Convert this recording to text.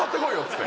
って。